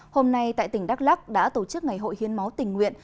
hôm nay tại tỉnh đắk lắc đã tổ chức ngày hội hiến máu tình nguyện